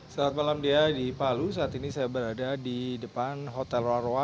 selamat malam di palu saat ini saya berada di depan hotel roroa